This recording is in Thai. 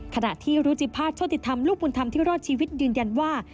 ขณะที่รุจิภาษณโชติธรรมลูกบุญธรรมที่รอดชีวิตยืนยันว่า